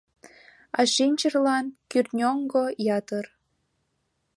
А шинчырлан кӱртньоҥго ятыр